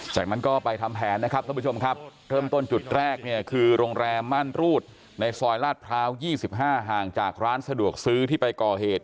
จากนั้นก็ไปทำแผนนะครับท่านผู้ชมครับเริ่มต้นจุดแรกเนี่ยคือโรงแรมม่านรูดในซอยลาดพร้าว๒๕ห่างจากร้านสะดวกซื้อที่ไปก่อเหตุ